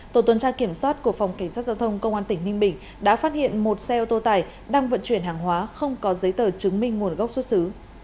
tổ tuần tra kiểm soát của phòng cảnh sát giao thông công an tỉnh ninh bình đã phát hiện một xe ô tô tải đang vận chuyển hàng hóa không có giấy tờ chứng minh nguồn gốc xuất xứ